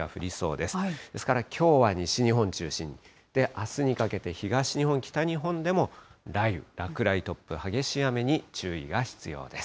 ですから、きょうは西日本中心、そしてあすにかけて東日本、北日本でも、雷雨、落雷、突風、激しい雨に注意が必要です。